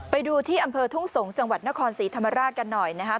ไปดูที่อำเภอทุ่งสงศ์จังหวัดนครศรีธรรมราชกันหน่อยนะครับ